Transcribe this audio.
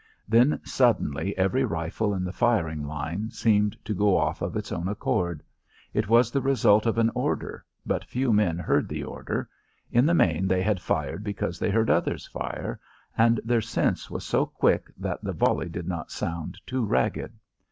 Then suddenly every rifle in the firing line seemed to go off of its own accord. It was the result of an order, but few men heard the order; in the main they had fired because they heard others fire, and their sense was so quick that the volley did not sound too ragged.